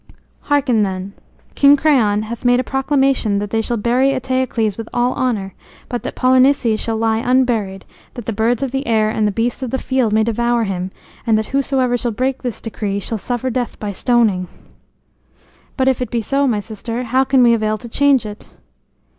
"Hearken then. King Creon hath made a proclamation that they shall bury Eteocles with all honor, but that Polynices shall lie unburied, that the birds of the air and the beasts of the field may devour him, and that whosoever shall break this decree shall suffer death by stoning." "But if it be so, my sister, how can we avail to change it?"